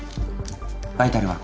バイタルは？